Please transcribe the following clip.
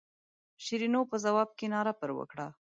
شیرینو په ځواب کې ناره پر وکړه.